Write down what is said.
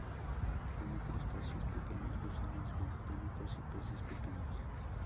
Come crustáceos pequeños, gusanos bentónicos y peces pequeños.